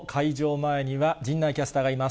前には、陣内キャスターがいます。